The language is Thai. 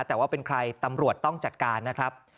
แต่ว่าเป็นใครตำรวจต้องจัดการนะครับ